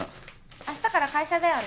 明日から会社だよね